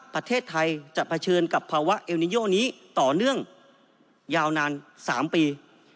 ประเทศไทยจะเผชิญกับภาวะเอลนิโยนี้ต่อเนื่องยาวนาน๓ปี